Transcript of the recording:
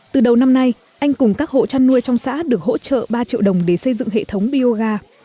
từ đầu năm nay anh cùng các hộ chăn nuôi trong xã được hỗ trợ ba triệu đồng để xây dựng hệ thống bioga